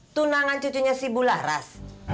tunangan cucunya si bularas